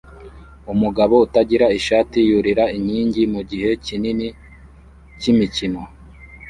Umugabo utagira ishati yurira inkingi mugihe kinini cyimikino